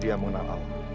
dia mengenal allah